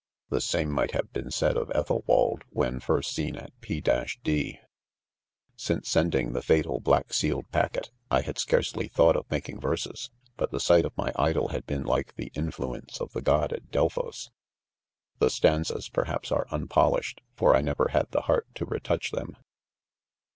'W The same .might have been said of Ethelwald, when first seen at P— —^ cL ■,£ Since sending the fatal black sealed pack <fct, I had scarcely thought of making ¥erse% (but the «ght of my idol had' been like the in Unease of the < god of Delphos. The stanzas, THE .CONFESSIONS, 18 1 perhaps, are unpolished, for "1 never had the heart to retouch them.